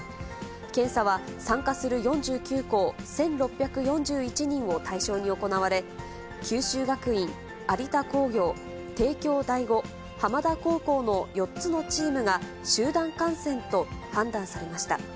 検査は参加する４９校１６４１人を対象に行われ、九州学院、有田工業、帝京第五、浜田高校の４つのチームが、集団感染と判断されました。